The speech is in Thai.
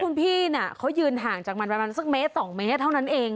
คุณพี่น่ะเขายืนห่างจากมันประมาณสักเมตร๒เมตรเท่านั้นเอง